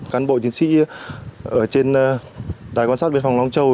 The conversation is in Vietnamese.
cán bộ chiến sĩ ở trên đài quan sát biên phòng long châu